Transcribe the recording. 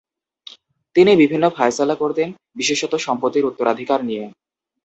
তিনি বিভিন্ন ফায়সালা করতেন বিশেষত সম্পত্তির উত্তরাধিকার নিয়ে।